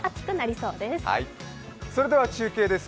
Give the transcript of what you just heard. それでは中継です。